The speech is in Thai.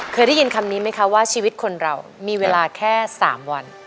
เคยได้ยินคำนี้ไหมคะว่าชีวิตคนเรามีเวลาแค่๓วัน